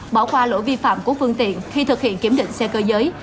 bỏ qua lỗi vi phạm của phương tiện khi thực hiện kiểm định xe cơ giới